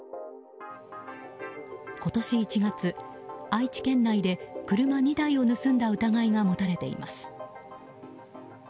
今年１月、愛知県内で車２台を盗んだ疑いが持たれています。